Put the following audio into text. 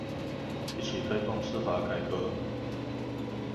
一起推動司法改革